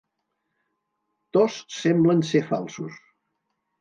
Tos semblen ser falsos.